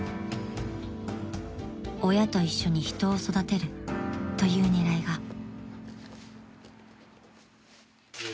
［親と一緒に人を育てるという狙いが］